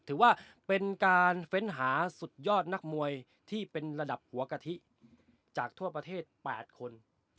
ถือว่าเป็นการเฟ้นหาสุดยอดนักมวยที่เป็นระดับหัวกะทิจากทั่วประเทศ๘คน